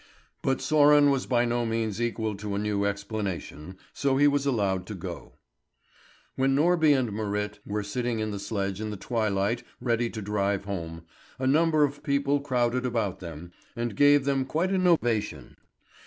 But Sören was by no means equal to a new explanation, so he was allowed to go. When Norby and Marit were sitting in the sledge in the twilight ready to drive home, a number of people crowded about them, and gave them quite an ovation.